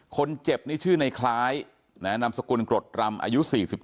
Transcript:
คนเจ็บนี่ชื่อในคล้ายนามสกุลกรดรำอายุ๔๒